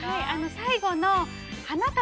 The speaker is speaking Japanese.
◆最後の花束。